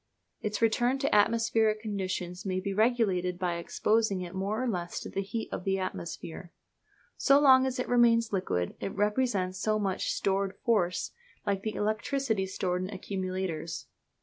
Its return to atmospheric condition may be regulated by exposing it more or less to the heat of the atmosphere. So long as it remains liquid it represents so much stored force, like the electricity stored in accumulators.